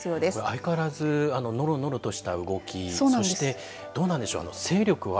相変わらずのろのろとした動き、そしてどうなんでしょう、勢力は。